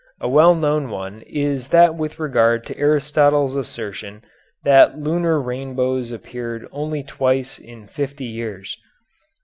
A well known one is that with regard to Aristotle's assertion that lunar rainbows appeared only twice in fifty years.